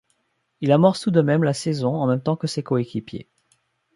Il amorce tout de même la saison en même temps que ses coéquipiers.